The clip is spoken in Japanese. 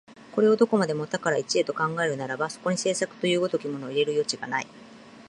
これをどこまでも多から一へと考えるならば、そこに製作という如きものを入れる余地がない。